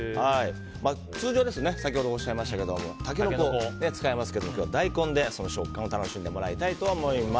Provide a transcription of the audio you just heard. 通常ですと先ほどおっしゃいましたがタケノコを使いますが今日は大根でその食感を楽しんでもらいたいと思います。